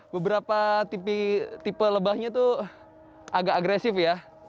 beberapa tipe lebahnya tuh agak agresif ya